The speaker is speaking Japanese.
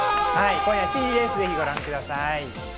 今夜７時、ぜひご覧ください。